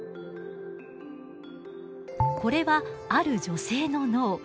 これはある女性の脳。